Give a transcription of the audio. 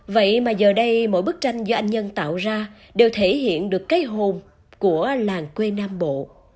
vậy mà giờ đây mỗi bức tranh do anh nhân tạo ra đều thể hiện được cái hồn của làng quê nam bộ